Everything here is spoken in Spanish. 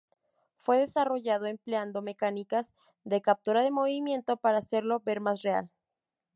Fue desarrollado empleando mecánicas de captura de movimiento para hacerlo ver más real.